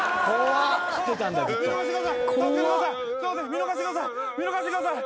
見逃してください。